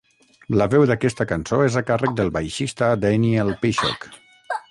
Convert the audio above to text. La veu d'aquesta cançó és a càrrec del baixista Daniel Pishock.